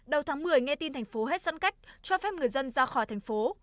đầu tháng một mươi nghe tin thành phố hết giãn cách cho phép người dân ra khỏi thành phố